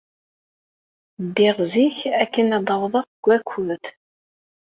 Ddiɣ zik akken ad awḍeɣ deg wakud.